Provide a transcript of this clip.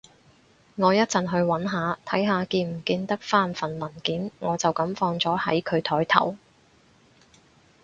我一陣去搵下，睇下見唔見得返份文件，我就噉放咗喺佢枱頭